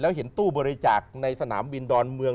เห็นตู้บริจาคในสนามบินดอนเมือง